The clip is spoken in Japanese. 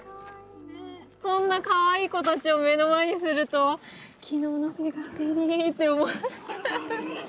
こんなかわいい子たちを目の前にすると昨日のフィガテリって思う。